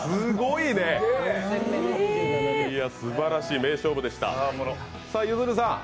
いや、すばらしい名勝負でした。